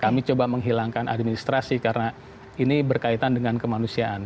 kami coba menghilangkan administrasi karena ini berkaitan dengan kemanusiaan